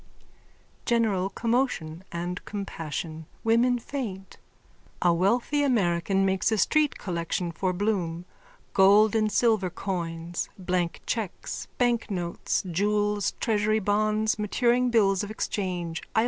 _(General commotion and compassion. Women faint. A wealthy American makes a street collection for Bloom. Gold and silver coins, blank cheques, banknotes, jewels, treasury bonds, maturing bills of exchange, I. O.